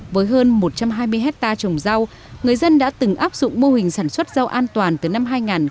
với hơn một trăm hai mươi hectare trồng rau người dân đã từng áp dụng mô hình sản xuất rau an toàn từ năm hai nghìn một mươi